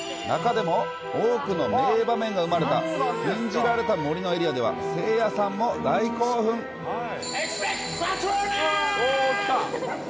中でも多くの名場面が生まれた禁じられた森のエリアでは、せいやエクスペクト・パトローナム。